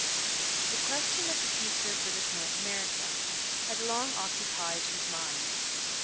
' The question of the future of British North America had long occupied his mind.